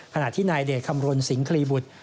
ขณะที่นายเดชคำรณสิงหลีบุตร